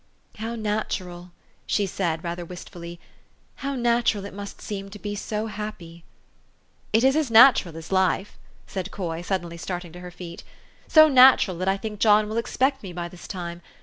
"How natural," she said rather wistfully, "how natural it must seem to be so happy! " "It is as natural as life," said Coy, suddenly starting to her feet, "so natural, that I think John will expect me by this time.